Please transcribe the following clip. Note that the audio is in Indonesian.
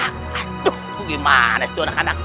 aduh gimana sih anak anak